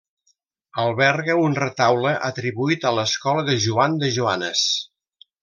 Alberga un retaule atribuït a l'escola de Joan de Joanes.